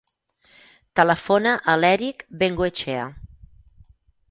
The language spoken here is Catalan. Telefona a l'Erick Bengoechea.